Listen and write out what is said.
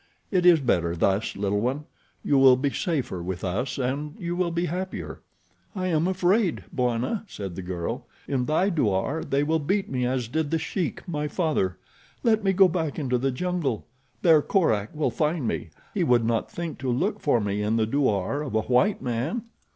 It is better thus, little one. You will be safer with us, and you will be happier." "I am afraid, Bwana," said the girl. "In thy douar they will beat me as did The Sheik, my father. Let me go back into the jungle. There Korak will find me. He would not think to look for me in the douar of a white man."